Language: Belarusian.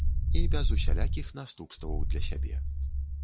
І без усялякіх наступстваў для сябе.